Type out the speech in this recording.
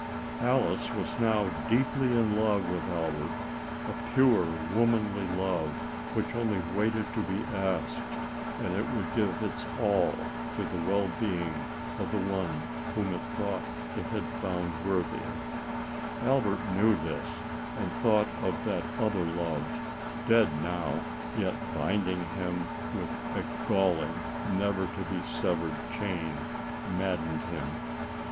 Alice was now deeply in love with Albert — a pure, womanly love, which only waited to be asked, and it would give its all to the well being of the one whom it thought it had found wor ALICE ; OR, THE WAGES OF SIN. 69 thy. Albert knew this, and the thought of that other love, dead now, yet binding him with a galling, never to be severed chain, maddened him.